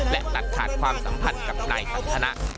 และตัดขาดความสัมพันธ์กับนายสันทนะ